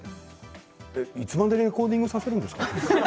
いつまでレコーディングさせるんですか？